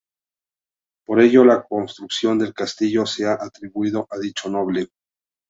Por ello la construcción del castillo se ha atribuido a dicho noble.